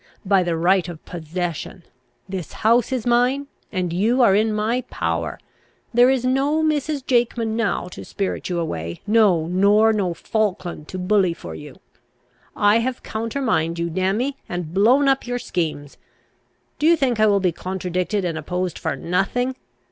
By the right of possession. This house is mine, and you are in my power. There is no Mrs. Jakeman now to spirit you away; no, nor no Falkland to bully for you. I have countermined you, damn me! and blown up your schemes. Do you think I will be contradicted and opposed for nothing?